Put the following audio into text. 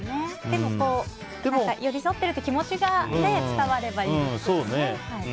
でも、寄り添ってると気持ちが伝わればいいですね。